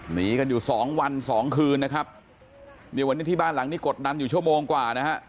หนีกันอยู่สองวันสองคืนนะครับเนี่ยวันนี้ที่บ้านหลังนี้กดดันอยู่ชั่วโมงกว่านะฮะ